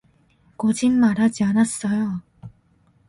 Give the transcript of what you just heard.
거짓말하지 않았어요.